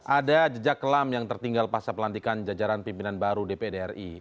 ada jejak kelam yang tertinggal pasca pelantikan jajaran pimpinan baru dpd ri